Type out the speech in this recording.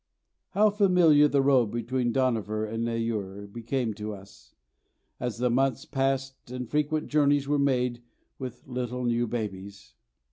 How familiar the road between Dohnavur and Neyoor became to us, as the months passed and frequent journeys were made with little new babies!